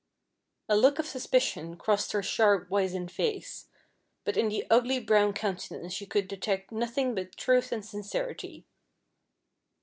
A look of suspicion crossed her sharp wizen face; but in the ugly brown countenance she could detect nothing but truth and sincerity.